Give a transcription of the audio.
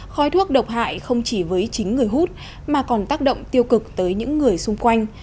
khói thuốc độc hại không chỉ với chính người hút mà còn tác động tiêu cực tới những người xung quanh